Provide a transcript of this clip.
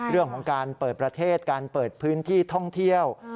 เรื่องของการเปิดประเทศการเปิดพื้นที่ท่องเที่ยว